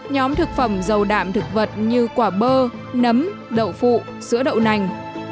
nhóm thực phẩm dầu đạm thực vật như quả bơ nấm đậu phụ sữa đậu nành